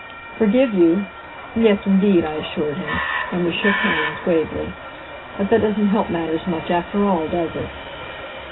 "Forgive you? Yes, indeed," I assured him. And we shook hands, gravely. "But that doesn't help matters much, after all, does it?"